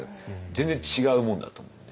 全然違うもんだと思うんで。